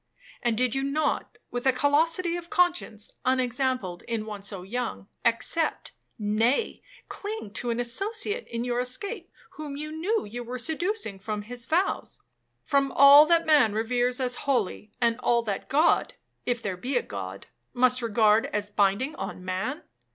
And did you not, with a callosity of conscience unexampled in one so young, accept, nay, cling to an associate in your escape whom you knew you were seducing from his vows,—from all that man reveres as holy, and all that God (if there be a God) must regard as binding on man?